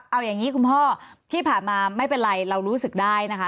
เอาอย่างนี้คุณพ่อที่ผ่านมาไม่เป็นไรเรารู้สึกได้นะคะ